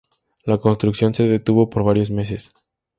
La construcción se detuvo por varios meses.